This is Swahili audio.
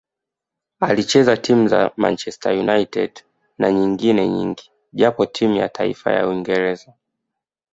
Alicheza timu za Manchester United na nyengine nyingi japo timu ya taifa ya Uingereza